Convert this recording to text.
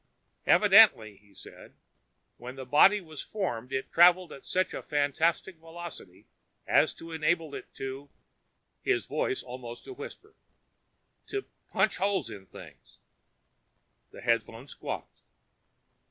"Evidently," he said, "when the body was formed, it traveled at such fantastic velocity as to enable it to " his voice was almost a whisper "to punch holes in things." The headphones squawked.